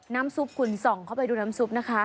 น้ำซุปคุณส่องเข้าไปดูน้ำซุปนะคะ